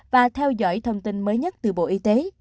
và theo dõi thông tin mới nhất từ bộ y tế